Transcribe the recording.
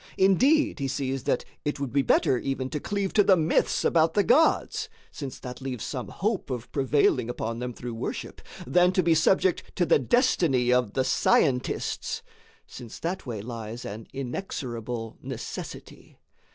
[note] Indeed he sees that it would be better even to cleave to the myths about the gods (since that leaves some hope of prevailing upon them through worship) than to be subject to the destiny of the scientists (since that way lies an inexorable necessity).